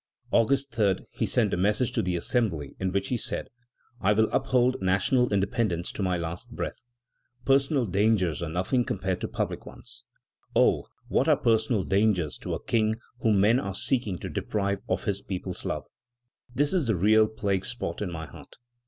August 3, he sent a message to the Assembly, in which he said: "I will uphold national independence to my latest breath. Personal dangers are nothing compared to public ones. Oh! what are personal dangers to a King whom men are seeking to deprive of his people's love? This is the real plague spot in my heart.